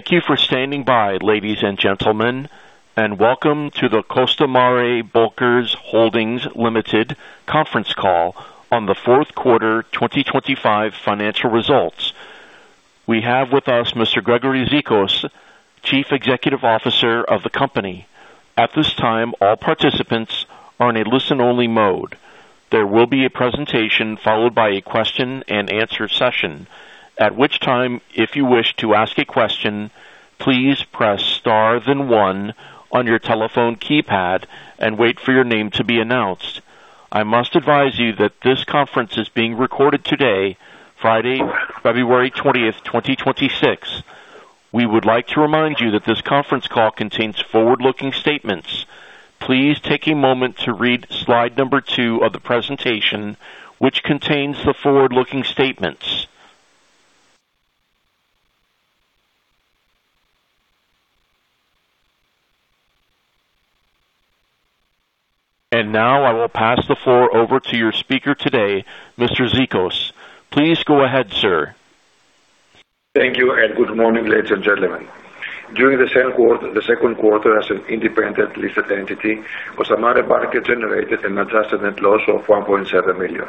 Thank you for standing by, ladies and gentlemen, and welcome to the Costamare Bulkers Holdings Limited conference call on the fourth quarter 2025 financial results. We have with us Mr. Gregory Zikos, Chief Executive Officer of the company. At this time, all participants are on a listen-only mode. There will be a presentation followed by a question-and-answer session, at which time, if you wish to ask a question, please press star then one on your telephone keypad and wait for your name to be announced. I must advise you that this conference is being recorded today, Friday, February 20, 2026. We would like to remind you that this conference call contains forward-looking statements. Please take a moment to read slide number 2 of the presentation, which contains the forward-looking statements. And now I will pass the floor over to your speaker today, Mr. Zikos. Please go ahead, sir. Thank you, and good morning, ladies and gentlemen. During the second quarter, the second quarter as an independent listed entity, Costamare Bulkers generated an adjusted net loss of $1.7 million.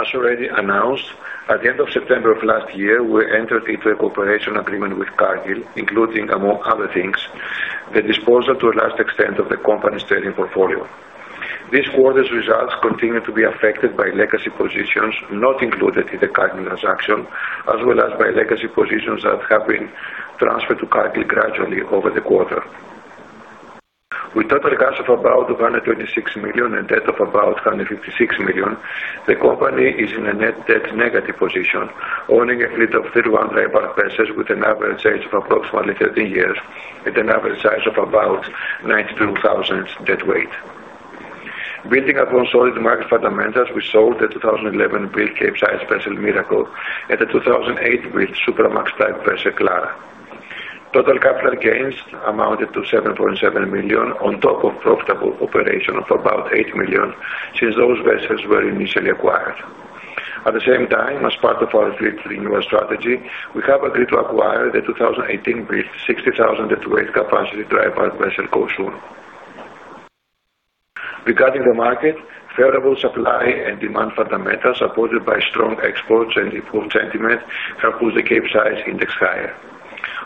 As already announced, at the end of September of last year, we entered into a cooperation agreement with Cargill, including, among other things, the disposal to a large extent of the company's trading portfolio. This quarter's results continue to be affected by legacy positions not included in the current transaction, as well as by legacy positions that have been transferred to Cargill gradually over the quarter. With total cash of about $126 million and debt of about $156 million, the company is in a net debt negative position, owning a fleet of 300 vessels with an average age of approximately 13 years and an average size of about 92,000 deadweight. Building upon solid market fundamentals, we sold the 2011-built Capesize vessel Miracle and the 2008-built Supramax type vessel Clara. Total capital gains amounted to $7.7 million on top of profitable operation of about $8 million since those vessels were initially acquired. At the same time, as part of our fleet renewal strategy, we have agreed to acquire the 2018-built 60,000 deadweight capacity dry bulk vessel Koushun. Regarding the market, favorable supply and demand fundamentals, supported by strong exports and improved sentiment, have pushed the Capesize index higher.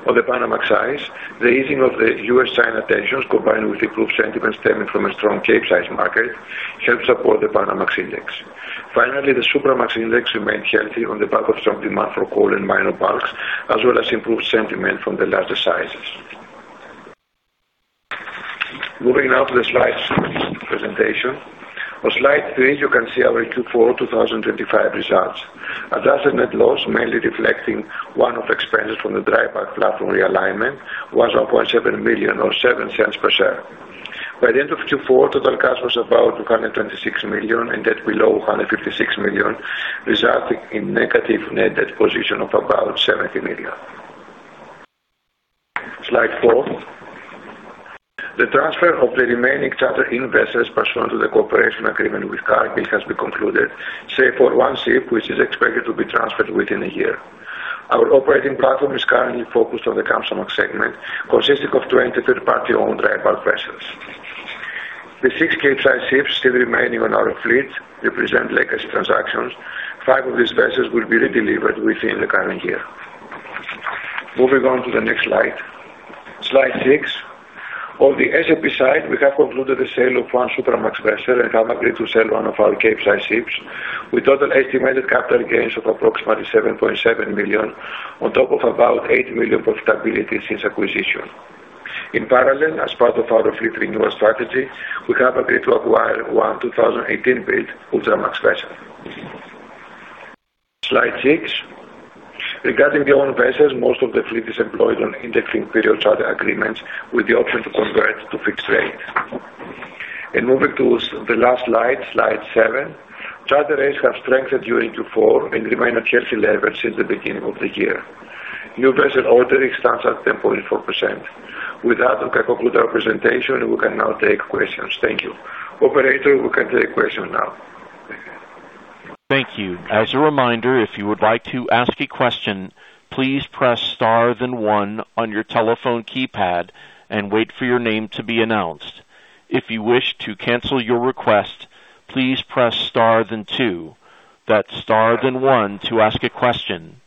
On the Panamax size, the easing of the U.S.-China tensions, combined with improved sentiment stemming from a strong Capesize market, helped support the Panamax index. Finally, the Supramax index remained healthy on the back of strong demand for coal and minor bulks, as well as improved sentiment from the larger sizes. Moving now to the slide presentation. On slide three, you can see our Q4 2025 results. Adjusted net loss, mainly reflecting one-off expenses from the dry bulk platform realignment, was $1.7 million or $0.07 per share. By the end of Q4, total cash was about $126 million, and debt below $156 million, resulting in negative net debt position of about $70 million. Slide four. The transfer of the remaining chartered-in vessels pursuant to the cooperation agreement with Cargill has been concluded, save for one ship, which is expected to be transferred within a year. Our operating platform is currently focused on the Kamsarmax segment, consisting of 20 third-party-owned dry bulk vessels. The 6 Capesize ships still remaining on our fleet represent legacy transactions. 5 of these vessels will be redelivered within the current year. Moving on to the next slide, slide six. On the S&P side, we have concluded the sale of one Supramax vessel and have agreed to sell one of our Capesize ships, with total estimated capital gains of approximately $7.7 million, on top of about $8 million profitability since acquisition. In parallel, as part of our fleet renewal strategy, we have agreed to acquire one 2018-built Ultramax vessel. Slide six. Regarding the owned vessels, most of the fleet is employed on indexing period charter agreements, with the option to convert to fixed rate. Moving to the last slide, slide seven. Charter rates have strengthened during Q4 and remain at healthy levels since the beginning of the year. New vessel ordering stands at 10.4%. With that, we can conclude our presentation, and we can now take questions. Thank you. Operator, we can take question now. Thank you. As a reminder, if you would like to ask a question, please press star then one on your telephone keypad and wait for your name to be announced. If you wish to cancel your request, please press star then two. That's star then one to ask a question.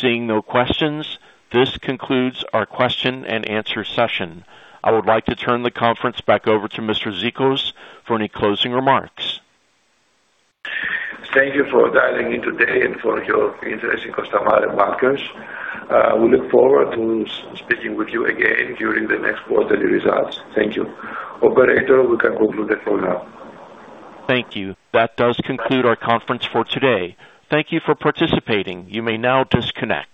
Seeing no questions, this concludes our question-and-answer session. I would like to turn the conference back over to Mr. Zikos for any closing remarks. Thank you for dialing in today and for your interest in Costamare Bulkers. We look forward to speaking with you again during the next quarterly results. Thank you. Operator, we can conclude the call now. Thank you. That does conclude our conference for today. Thank you for participating. You may now disconnect.